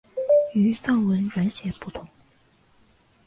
与藏文转写不同。